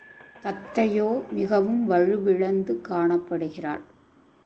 தத்தையோ மிகவும் வலுவிழந்து காணப்படுகிறாள்.